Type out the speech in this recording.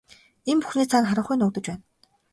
Энэ бүхний цаана харанхуй нуугдаж байна.